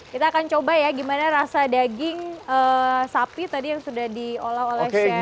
kita akan coba ya gimana rasa daging sapi tadi yang sudah diolah oleh chef